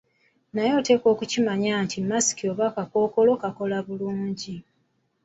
Naye oteekwa okukimanya nti masiki oba akakookolo kakola bulungi.